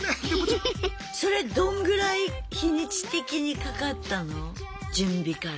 それどんぐらい日にち的にかかったの？準備から。